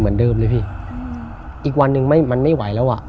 เหมือนเดิมเลยพี่อีกวันหนึ่งไม่มันไม่ไหวแล้วอ่ะ